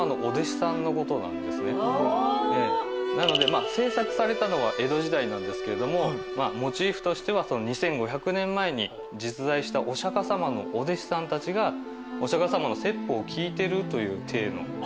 なので制作されたのは江戸時代なんですけれどもモチーフとしては２，５００年前に実在したお釈迦様のお弟子さんたちがお釈迦様の説法を聞いてるという体の。